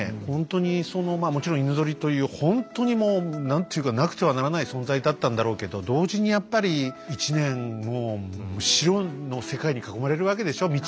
ほんとにもちろん犬ゾリというほんとにもう何ていうかなくてはならない存在だったんだろうけど同時にやっぱり１年白の世界に囲まれるわけでしょ